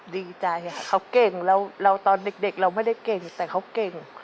ดีใจเขาเก่งเราตอนเด็กเราไม่ได้เก่งแต่เขาเก่ง